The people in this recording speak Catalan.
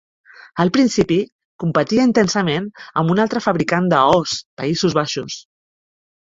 Al principi, competia intensament amb un altre fabricant d'Oss, Països Baixos.